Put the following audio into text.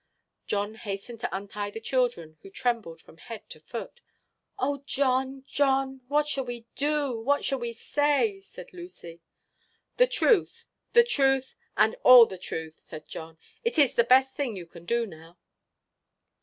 John hastened to untie the children, who trembled from head to foot. "Oh, John, John! what shall we do what shall we say?" said Lucy. "The truth, the truth, and all the truth," said John; "it is the best thing you can do now."